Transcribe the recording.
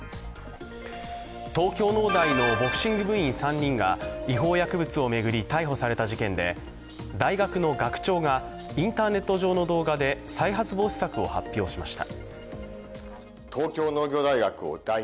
東京農大のボクシング部員３人が違法薬物を巡り逮捕された事件で大学の学長がインターネット上の動画で再発防止策を発表しました。